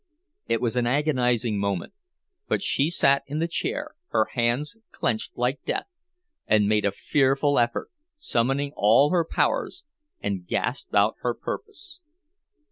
It was an agonizing moment, but she sat in the chair, her hands clenched like death, and made a fearful effort, summoning all her powers, and gasped out her purpose.